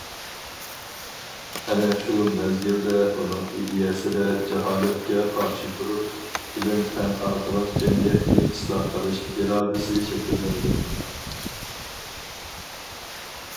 ئەنە شۇ مەزگىلدە ئۇنىڭ ئىدىيەسىدە جاھالەتكە قارشى تۇرۇپ، ئىلىم-پەن ئارقىلىق جەمئىيەتنى ئىسلاھ قىلىش ئىرادىسى شەكىللىنىدۇ.